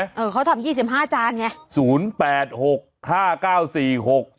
เออเขาทำ๒๕จานไง